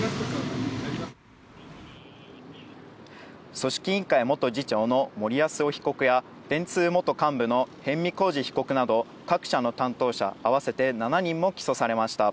組織委員会元次長の森泰夫被告や、電通元幹部の逸見晃治被告など各社の担当者合わせて７人も起訴されました。